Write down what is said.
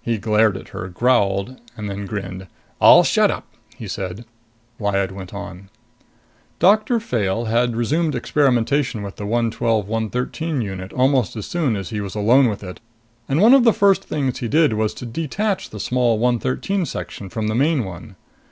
He glared at her, growled, then grinned. "I'll shut up," he said. Lyad went on. Doctor Fayle had resumed experimentation with the 112 113 unit almost as soon as he was alone with it; and one of the first things he did was to detach the small 113 section from the main one.